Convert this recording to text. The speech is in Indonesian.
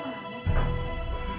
waduh aries aku